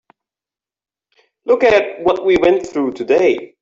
Look at what we went through today.